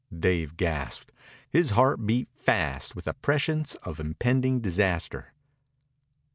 Dave gasped. His heart beat fast with a prescience of impending disaster.